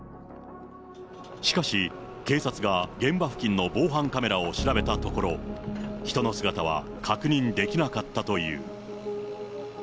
しかし、警察が現場付近の防犯カメラを調べたところ、人の姿は確認できなかったという。